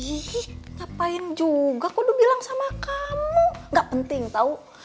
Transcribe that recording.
ih ngapain juga kudu bilang sama kamu enggak penting tau